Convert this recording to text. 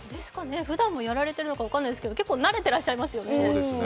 ふだんもやられてるのか分からないですけど結構慣れてらっしゃいますよね。